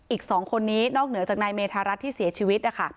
อีก๒คนนี้นอกเหนือจากนายเมธารัฐที่เสียชีวิตนะคะ